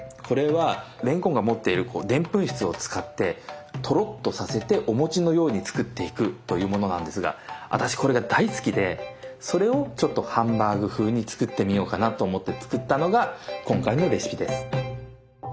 これはれんこんが持っているでんぷん質を使ってトロッとさせてお餅のように作っていくというものなんですが私これが大好きでそれをハンバーグ風に作ってみようかなと思って作ったのが今回のレシピです。